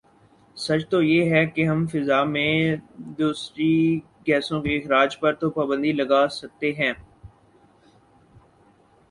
سچ تو یہ ہے کہ ہم فضا میں دوسری گیسوں کے اخراج پر تو پابندی لگاسکتے ہیں